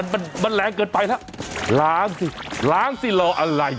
มันมันแรงเกินไปแล้วล้างสิล้างสิรออะไร